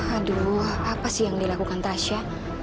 aduh apa sih yang dilakukan tasha